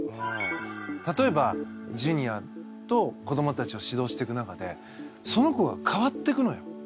例えばジュニアと子どもたちを指導していく中でその子が変わっていくのよ。